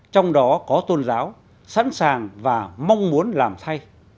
trong đó có tôn giáo sẵn sàng và mong muốn làm thay